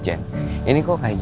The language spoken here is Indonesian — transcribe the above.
jen ini kok kayak